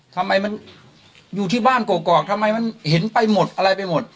ทำไมมันอยู่ที่บ้านกรอกทำไมมันเห็นไปหมดอะไรไปหมด